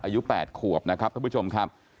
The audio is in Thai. อายุ๘ขวบนะครับท่านผู้ชมครับ